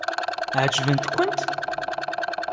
Ɛeǧbent-kent?